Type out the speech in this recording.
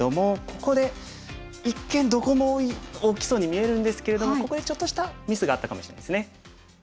ここで一見どこも大きそうに見えるんですけれどもここでちょっとしたミスがあったかもしれないですね。